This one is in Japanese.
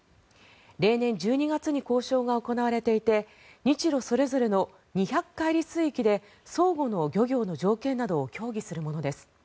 例年１２月に交渉が行われていて日ロそれぞれの２００カイリ水域で相互の漁業の条件などを協議するものです。